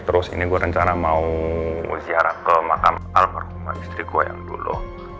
terus ini gue rencana mau ziarah ke makam al rumah istri gue yang dulu